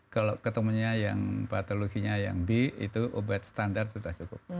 kalau ketemunya yang patologinya yang b itu obat standar sudah cukup